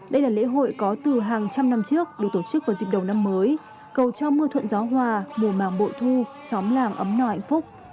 đây là lễ hội có từ hàng trăm năm trước được tổ chức vào dịp đầu năm mới cầu cho mưa thuận gió hoa mùa màng bội thu sóng làng ấm nòi phúc